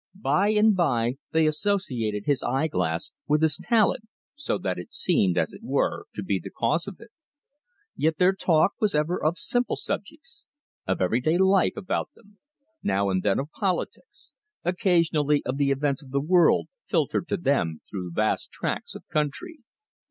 By and by they associated his eye glass with his talent, so that it seemed, as it were, to be the cause of it. Yet their talk was ever of simple subjects, of everyday life about them, now and then of politics, occasionally of the events of the world filtered to them through vast tracts of country.